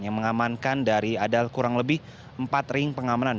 yang mengamankan dari ada kurang lebih empat ring pengamanan